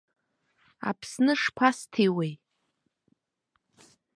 Аԥсны шԥасҭиуеи?